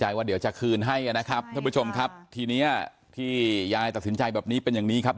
ว่าเดี๋ยวจะคืนให้นะครับท่านผู้ชมครับทีเนี้ยที่ยายตัดสินใจแบบนี้เป็นอย่างนี้ครับ